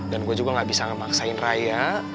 dan gue juga gak bisa ngebaksain raya